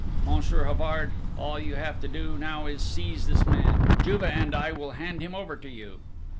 Monsieur Havard, all you have to do now is seize this man: Juve and I will hand him over to you!"